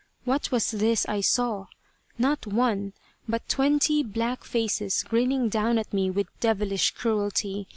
What was this I saw? Not one, but twenty black faces grinning down at me with devilish cruelty.